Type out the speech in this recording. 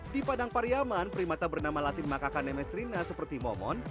di padang pariaman primata bernama latin makakan mestrina seperti momon